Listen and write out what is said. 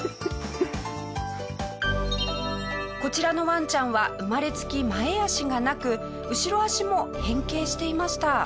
こちらのワンちゃんは生まれつき前脚がなく後ろ脚も変形していました。